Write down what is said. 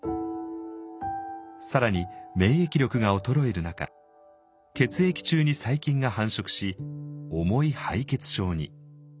更に免疫力が衰える中血液中に細菌が繁殖し重い敗血症に。